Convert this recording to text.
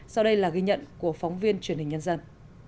sau đây là ghi nhận của phóng viên truyền hình nhân dân